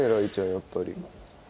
やっぱり。